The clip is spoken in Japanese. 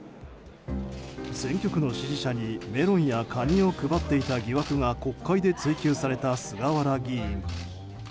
選挙区の支持者にメロンやカニを配っていた疑惑が国会で追及された菅原議員。